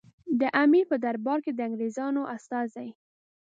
د امیر په دربار کې د انګریزانو استازي.